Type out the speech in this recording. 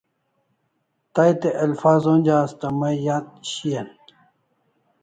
Tay te ilfaz onja asta may yat shian